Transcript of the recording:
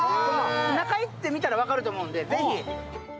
中に行って見てみたら分かると思うんで、ぜひ。